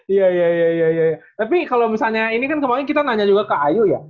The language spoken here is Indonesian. iya iya tapi kalau misalnya ini kan kemarin kita nanya juga ke ayu ya